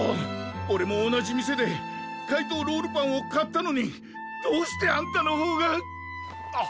おれも同じ店で「怪盗ロールパン」を買ったのにどうしてあんたのほうがあっ！